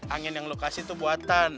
angin yang loe kasih tuh buatan